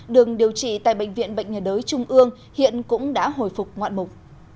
đường điều trị tại bệnh viện bệnh nhiệt đới trung ương hiện cũng đã hồi phục ngoạn mục